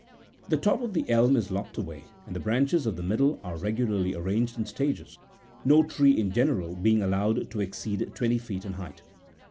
The top of the elm is lopped away, and the branches of the middle are regularly arranged in stages; no tree in general being allowed to exceed twenty feet in height.